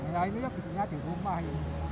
ya ini bikinnya di rumah